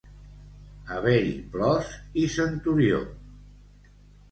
Haver-hi plors i centurió.